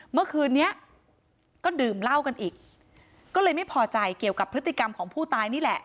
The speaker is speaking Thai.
เมื่อคืนนี้ก็ดื่มเหล้ากันอีกก็เลยไม่พอใจเกี่ยวกับพฤติกรรมของผู้ตายนี่แหละ